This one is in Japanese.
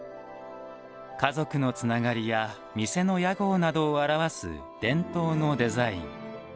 家族のつながりや店の屋号などを表す伝統のデザイン。